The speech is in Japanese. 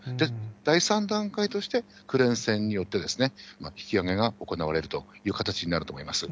第３段階として、クレーン船によって引き揚げが行われるという形になると思います。